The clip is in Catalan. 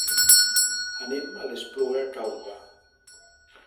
Anem a l'Espluga Calba.